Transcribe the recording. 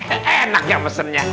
enak ya mesennya